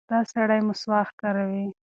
دا سړی مسواک کاروي.